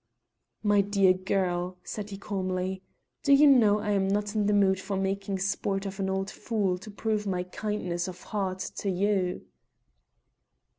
"My dear girl," said he calmly, "do you know I am not in the mood for making sport of an old fool to prove my Kindness of heart to you."